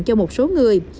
cho một số người